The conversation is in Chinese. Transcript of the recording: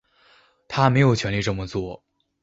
他没有权力这么做